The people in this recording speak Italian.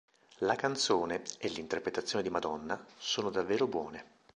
La canzone- e l'interpretazione di Madonna- sono davvero buone".